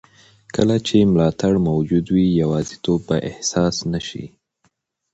کله چې ملاتړ موجود وي، یوازیتوب به احساس نه شي.